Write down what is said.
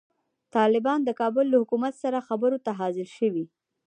طالبان د کابل له حکومت سره خبرو ته حاضر شوي.